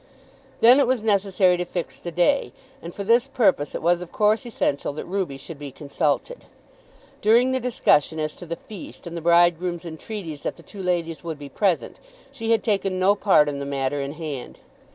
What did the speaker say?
Then it was necessary to fix the day, and for this purpose it was of course essential that Ruby should be consulted. During the discussion as to the feast and the bridegroom's entreaties that the two ladies would be present, she had taken no part in the matter in hand.